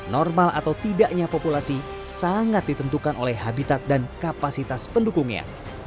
normal atau tidaknya populasi sangat ditentukan oleh habitat dan kapasitas pendukungnya